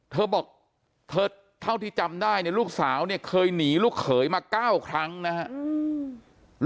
เธอบอกเธอเท่าที่จำได้เนี่ยลูกสาวเนี่ยเคยหนีลูกเขยมา๙ครั้งนะครับ